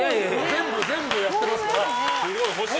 全部やってますから。